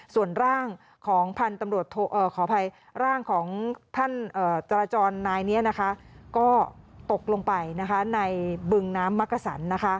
ส่วนร่างของท่านตราจรนายนี้ก็ตกลงไปในบึงน้ำมักกระสัน